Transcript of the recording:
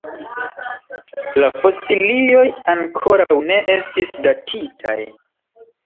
La fosilioj ankoraŭ ne estis datitaj.